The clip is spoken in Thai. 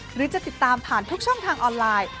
หรือจะติดตามผ่านทุกช่องทางออนไลน์